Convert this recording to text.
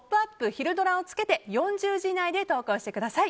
ひるドラ」をつけて４０字以内で投稿してください。